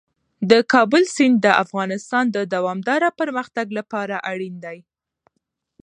د کابل سیند د افغانستان د دوامداره پرمختګ لپاره اړین دی.